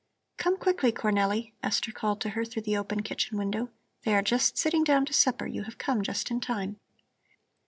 "Come quickly, Cornelli," Esther called to her through the open kitchen window; "they are just sitting down to supper; you have come just in time."